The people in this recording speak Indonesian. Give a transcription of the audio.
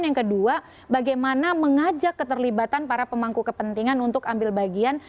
yang kedua bagaimana mengajak keterlibatan para pemangku kepentingan untuk ambil bagian